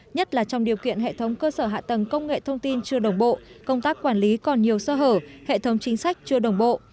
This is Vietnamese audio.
nhất là trong điều kiện hệ thống cơ sở hạ tầng công nghệ thông tin chưa đồng bộ công tác quản lý còn nhiều sơ hở hệ thống chính sách chưa đồng bộ